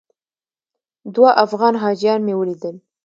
دوه افغان حاجیان مې ولیدل.